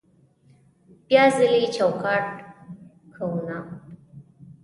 بیا ځلې چوکاټ کوونه